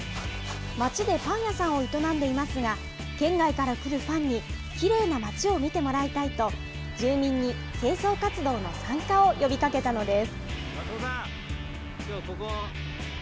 街でパン屋さんを営んでいますが、県外から来るファンに、きれいな街を見てもらいたいと、住民に清掃活動の参加を呼びかけたのです。